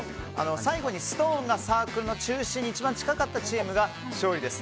最後にストーンがサークルの中心に一番近かったチームが勝利です。